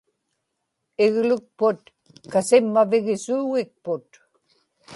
iglukput kasimmavigisuugikput